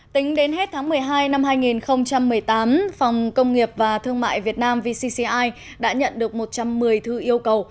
tính đến hết tháng một mươi hai năm hai nghìn một mươi tám phòng công nghiệp và thương mại việt nam vcci đã nhận được một trăm một mươi thư yêu cầu